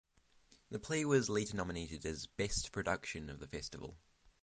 The play was later nominated as Best Production of the festival.